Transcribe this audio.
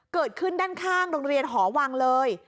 เกิดขึ้นด้านข้างโรงเรียนหอวังเลย